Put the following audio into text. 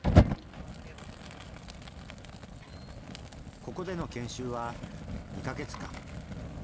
ここでの研修は２か月間。